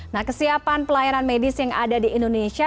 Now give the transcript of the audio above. nah kesiapan pelayanan medis yang ada di indonesia